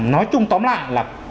nói chung tóm lại là